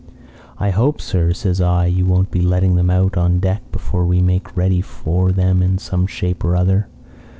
"'I hope, sir,' says I, 'you won't be letting them out on deck before we make ready for them in some shape or other.'